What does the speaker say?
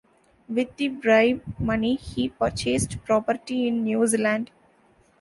With the bribe money, he purchased property in New Zealand.